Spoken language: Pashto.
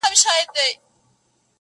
نور مي له ورځي څـخــه بـــد راځـــــــي.